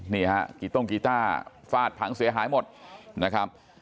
นี่ฮะกีต้งกีต้าฟาดผังเสียหายหมดนะครับ